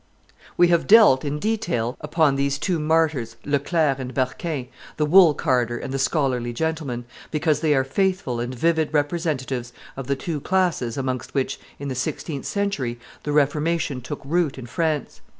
We have dwelt in detail upon these two martyrs, Leclerc and Berquin, the wool carder and the scholarly gentleman, because they are faithful and vivid representatives of the two classes amongst which, in the sixteenth century, the Reformation took root in France.